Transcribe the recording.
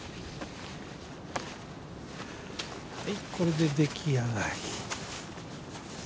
はいこれで出来上がり。